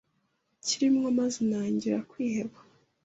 kirimo, maze ntangira kwiheba.